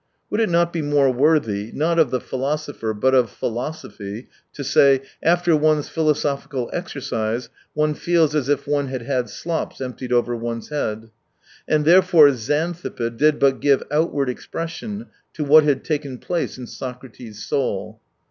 Would it not be more worthy (not of the philosopher, but of philosophy) to say : After one's philosophical exercise, one feels as if one had had slops emptied over one's head. And therefore Xanthippe did but give outward expression to what had taken place in Socrates' soul.